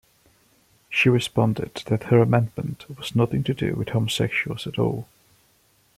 She responded that her amendment was nothing to do with homosexuals at all.